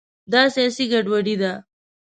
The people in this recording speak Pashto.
دا سیاسي ګډوډي ده.